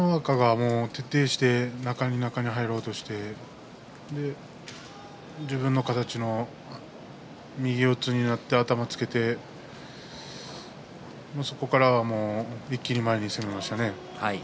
北の若が中に中に入ろうとして自分の形、右四つになって頭をつけてそこから一気に前に攻めましたね。